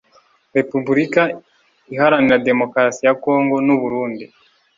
Repubulika iharanira Demokarasi ya Congo n’Uburundi